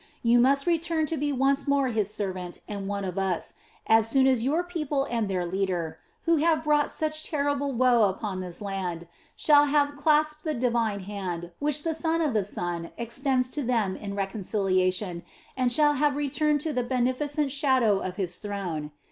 You must return to be once more his servant and one of us, as soon as your people and their leader, who have brought such terrible woe upon this land, shall have clasped the divine hand which the son of the sun extends to them in reconciliation, and shall have returned to the beneficent shadow of his throne.